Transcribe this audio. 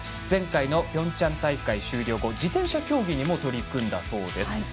前回のピョンチャン大会終了後自転車競技にも取り組んだそうです。